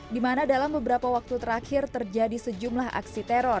di mana dalam beberapa waktu terakhir terjadi sejumlah aksi teror